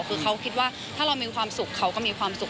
คือเขาคิดว่าถ้าเรามีความสุขเขาก็มีความสุข